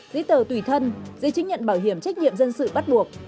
giấy tờ tùy thân giấy chứng nhận bảo hiểm trách nhiệm dân sự bắt buộc